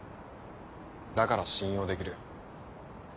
だから信用できる。